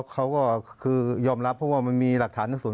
เขาก็คือยอมรับเพราะว่ามันมีหลักฐานทั้งส่วน